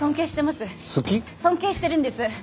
尊敬してるんです。